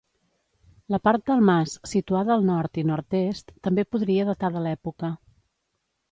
La part del mas situada al nord i nord-est també podria datar de l'època.